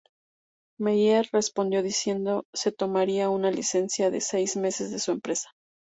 Meier respondió diciendo que se tomaría una licencia de seis meses de su empresa.